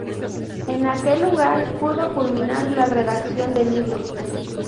En aquel lugar pudo culminar la redacción del libro.